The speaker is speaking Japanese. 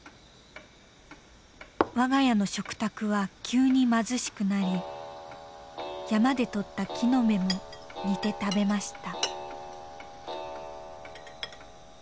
我が家の食卓は急に貧しくなり山で採った木の芽も煮て食べました